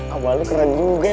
ambalu keren juga